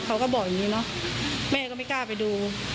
เขาก็บอกอย่างนี้เนอะแม่ก็ไม่กล้าไปดู